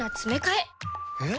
えっ？